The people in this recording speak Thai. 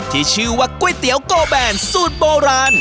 ที่ชื่อว่าก๋วยเตี๋ยวโกแบนสูตรโบราณ